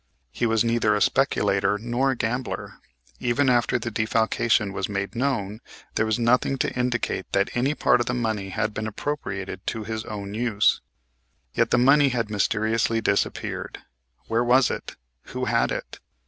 He was neither a speculator nor a gambler. Even after the defalcation was made known there was nothing to indicate that any part of the money had been appropriated to his own use. Yet the money had mysteriously disappeared. Where was it? Who had it?